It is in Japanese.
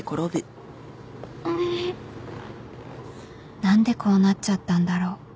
何でこうなっちゃったんだろう